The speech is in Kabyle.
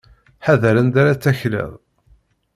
Ḥader anda ara takleḍ.